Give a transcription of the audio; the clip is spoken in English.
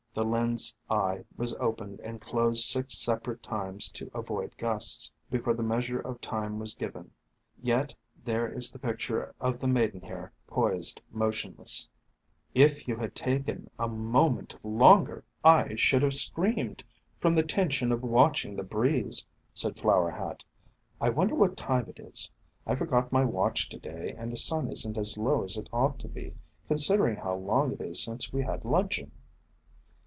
The lens' eye was opened and closed six separate times to avoid gusts, before the measure of time was given. Yet, there is the picture of the Maidenhair poised motionless ! "If you had taken a moment longer, I should have screamed, from the tension of watching the breeze," said Flower Hat. "I wonder what time it is. I forgot my watch to day and the sun is n't as low as it ought to be, considering how long it is since we had luncheon."